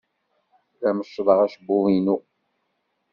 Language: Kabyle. La meccḍeɣ acebbub-inu.